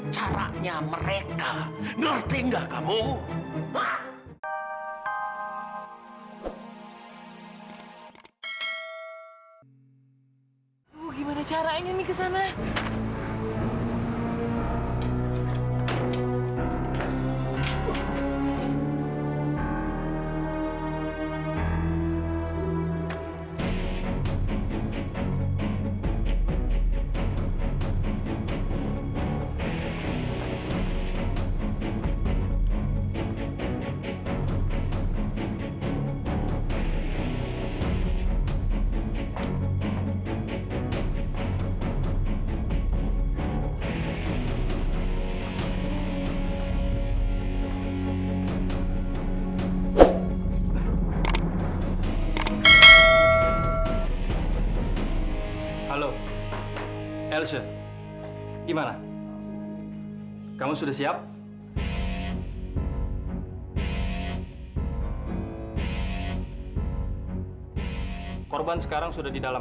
sampai jumpa di video selanjutnya